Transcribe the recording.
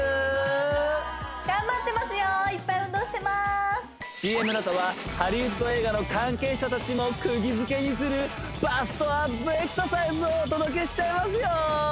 頑張ってますよいっぱい運動してまーすＣＭのあとはハリウッド映画の関係者たちもくぎづけにするバストアップエクササイズをお届けしちゃいますよー！